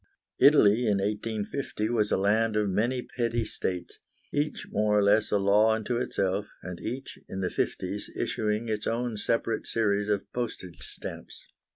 Italy in 1850 was a land of many petty states, each more or less a law unto itself, and each, in the fifties, issuing its own separate series of postage stamps.